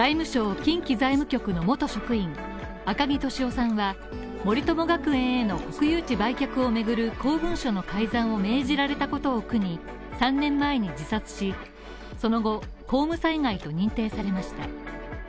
近畿財務局の元職員赤木俊夫さんは森友学園への国有地売却をめぐる公文書の改ざんを命じられたことを苦に、３年前に自殺し、その後、公務災害と認定されました。